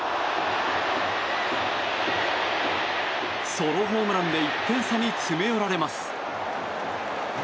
ソロホームランで１点差に詰め寄られます。